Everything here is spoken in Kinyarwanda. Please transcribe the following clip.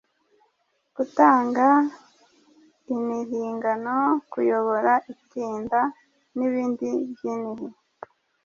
gutanga inhingano, kuyobora itinda nibindi byinhi